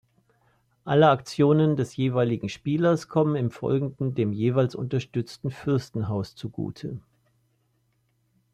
Alle Aktionen des jeweiligen Spielers kommen im Folgenden dem jeweils unterstützten Fürstenhaus zugute.